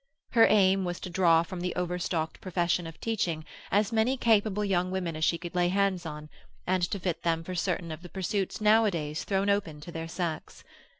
Her aim was to draw from the overstocked profession of teaching as many capable young women as she could lay hands on, and to fit them for certain of the pursuits nowadays thrown open to their sex.